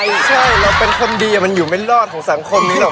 ไม่ใช่เราเป็นคนดีมันอยู่ไม่รอดของสังคมนี้หรอก